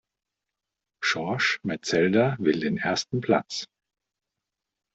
Schorsch Metzelder will den ersten Platz.